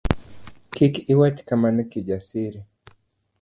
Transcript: kik iwach kamano Kijasiri.